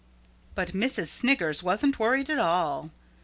But Missus Sniggers wasn't worried at all.